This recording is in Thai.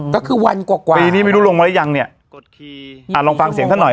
ก็คือวันกว่ากว่าปีนี้ไม่รู้ลงมาหรือยังเนี่ยลองฟังเสียงท่านหน่อย